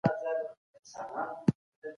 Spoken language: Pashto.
د احمد شاه ابدالي کورنۍ ولي کابل ته ولاړه؟